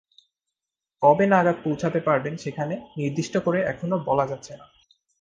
কবে নাগাদ পৌঁছাতে পারবেন সেখানে, নির্দিষ্ট করে এখনো বলা যাচ্ছে না।